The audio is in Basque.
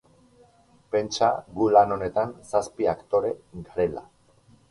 Pentsa gu lan honetan zazpi aktore garela.